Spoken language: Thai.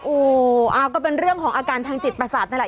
โอ้โหก็เป็นเรื่องของอาการทางจิตประสาทนั่นแหละ